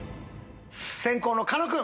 先攻の狩野君。